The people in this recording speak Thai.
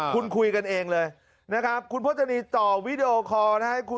คุณคุยกันเองเลยนะครับคุณพจนีต่อวีดีโอคอร์นะครับ